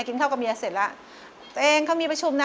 กินข้าวกับเมียเสร็จแล้วตัวเองเขามีประชุมนะ